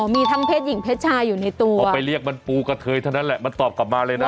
มีทั้งเพศหญิงเพศชายอยู่ในตัวพอไปเรียกมันปูกระเทยเท่านั้นแหละมันตอบกลับมาเลยนะ